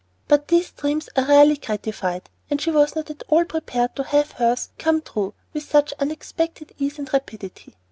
But these dreams are rarely gratified, and she was not at all prepared to have hers come true with such unexpected ease and rapidity.